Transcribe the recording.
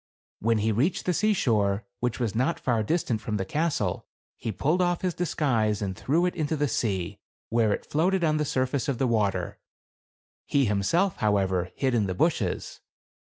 When he reached the seashore, which was not far distant from the castle, he pulled off his disguise and threw it into the sea, where it floated on the surface of the water. He, him self, however, hid in the bushes.